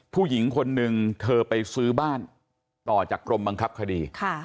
ผู้หญิงคนนึงเธอไปซื้อบ้านต่อจากกรมบังคับคดี